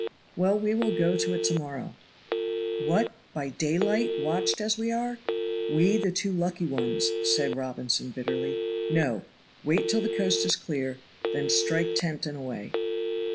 "Well, we will go to it to morrow." "What, by daylight, watched as we are? We, the two lucky ones," said Robinson bitterly. "No. Wait till the coast is clear then strike tent and away."